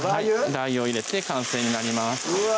ラー油を入れて完成になりますうわ！